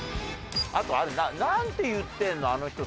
あとあれなんて言ってるの？